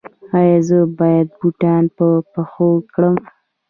ایا زه باید بوټان په پښو کړم؟